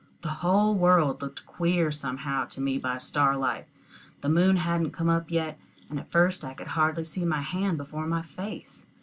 The whole world looked queer somehow to me by starlight. The moon hadn't come up yet, and at first I could hardly see my hand before my face.